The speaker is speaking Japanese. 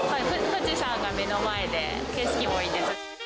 富士山が目の前で景色もいいです。